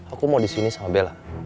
aku mau disini sama bella